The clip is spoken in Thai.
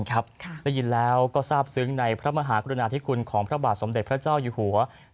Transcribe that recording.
ได้ยินแล้วก็ทราบซึ้งในพระมหากรุณาธิคุณของพระบาทสมเด็จพระเจ้าอยู่หัว